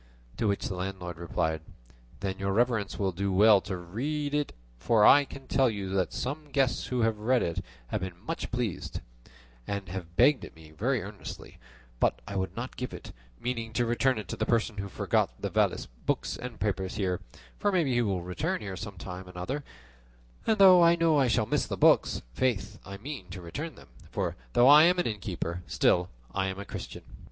To which the landlord replied, "Then your reverence will do well to read it, for I can tell you that some guests who have read it here have been much pleased with it, and have begged it of me very earnestly; but I would not give it, meaning to return it to the person who forgot the valise, books, and papers here, for maybe he will return here some time or other; and though I know I shall miss the books, faith I mean to return them; for though I am an innkeeper, still I am a Christian."